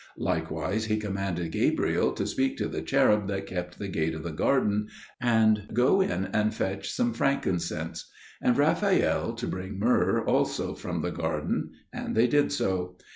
Likewise He commanded Gabriel to speak to the cherub that kept the gate of the garden, and go in and fetch some frankincense; and Raphael to bring myrrh also from the garden. And they did so.